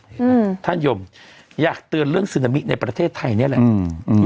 อือท่านยมอยากเตือนซึนามิในประเทศไทยเนี่ยแหละอืม